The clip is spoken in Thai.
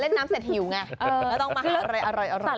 เล่นน้ำเสร็จหิวไงแล้วต้องมาหาอะไรอร่อยค่ะ